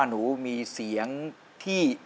รักคุณเสียยิ่งกว่าใคร